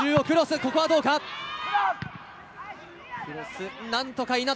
ここはどうだ。